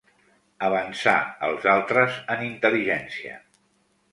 Avançar els altres en intel·ligència.